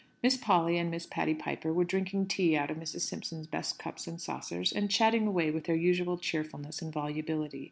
Miss Polly and Miss Patty Piper were drinking tea out of Mrs. Simpson's best cups and saucers, and chatting away with their usual cheerfulness and volubility.